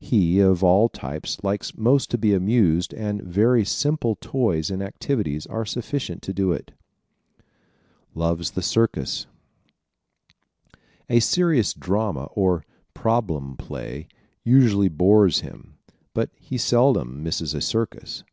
He of all types likes most to be amused and very simple toys and activities are sufficient to do it. Loves the Circus ¶ A serious drama or "problem play" usually bores him but he seldom misses a circus.